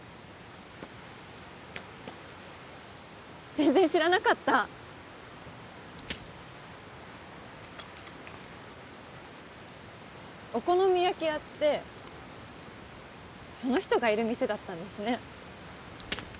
全然知らなかったお好み焼き屋ってその人がいる店だったんですね